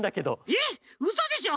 えっうそでしょ？